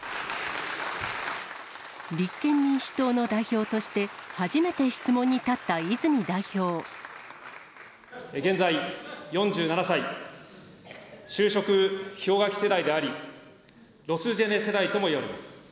立憲民主党の代表として、現在４７歳、就職氷河期世代であり、ロスジェネ世代ともいわれます。